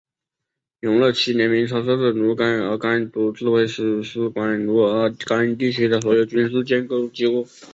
永乐七年明朝设置奴儿干都指挥使司管辖奴儿干地区的所有军事建制机构。